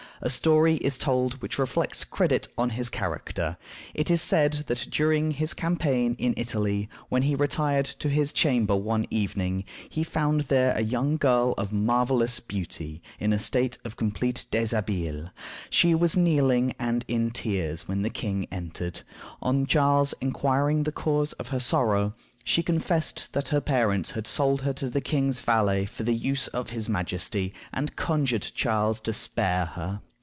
A story is told which reflects credit upon his character. It is said that during his campaign in Italy, when he retired to his chamber one evening, he found there a young girl of marvelous beauty in a state of complete déshabillé. She was kneeling and in tears when the king entered. On Charles inquiring the cause of her sorrow, she confessed that her parents had sold her to the king's valet for the use of his majesty, and conjured Charles to spare her.